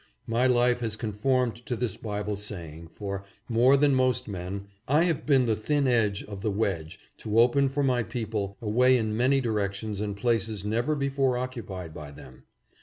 My life has conformed to this Bible say ing, for, more than most men, I have been the thin edge of the wedge to open for my people a way in many di rections and places never before occupied by them.